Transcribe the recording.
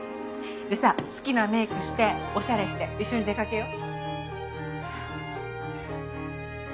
でさ好きなメイクしておしゃれして一緒に出掛けよう。